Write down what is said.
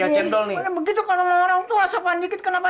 selamat pak sampi